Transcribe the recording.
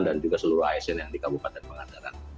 dan juga seluruh asn yang di kabupaten pangandaran